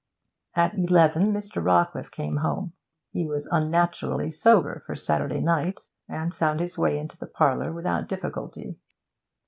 At eleven Mr. Rawcliffe came home. He was unnaturally sober, for Saturday night, and found his way into the parlour without difficulty.